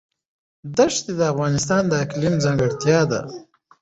دښتې د افغانستان د اقلیم ځانګړتیا ده.